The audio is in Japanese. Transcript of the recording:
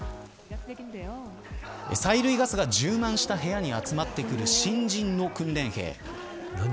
催涙ガスが充満した部屋に集まってくる新人の訓練兵。